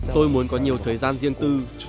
tôi muốn có nhiều thời gian riêng tư